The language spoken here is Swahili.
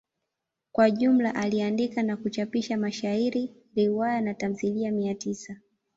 Kwa jumla aliandika na kuchapisha mashairi, riwaya na tamthilia mia tisa.